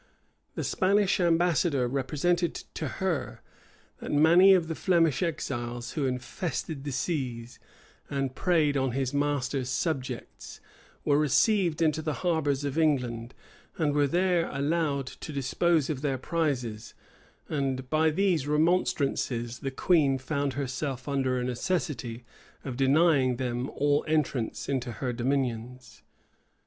The Spanish ambassador represented to her, that many of the Flemish exiles, who infested the seas, and preyed on his master's subjects, were received into the harbors of England, and were there allowed to dispose of their prizes; and by these remonstrances the queen found herself under a necessity of denying them all entrance into her dominions.